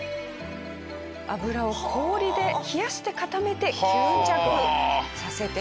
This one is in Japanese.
油を氷で冷やして固めて吸着させて取っています。